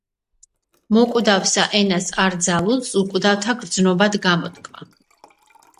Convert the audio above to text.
მოკვდავსა ენას არ ძალუძს უკვდავთა გერძნობათ გამოთქა